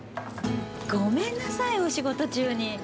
ごめんなさい、お仕事中に。